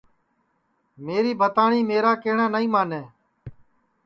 میری بھتاٹؔی میرا کیہٹؔا نائی مانے